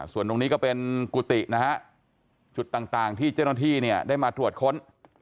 ส่วนตรงนี้ก็เป็นกุฏินะฮะจุดต่างที่เจ้าหน้าที่เนี่ยได้มาตรวจค้น